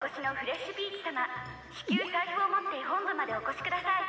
至急財布を持って本部までお越しください